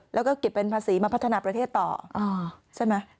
แล้วก็เก็บเป็นภาษีมาพัฒนาประเทศต่อใช่ไหม